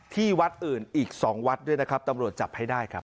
ที่วัดอื่นอีก๒วัดด้วยนะครับตำรวจจับให้ได้ครับ